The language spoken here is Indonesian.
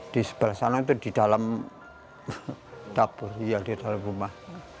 di sebelah sana itu di dalam dapur yang di dalam rumah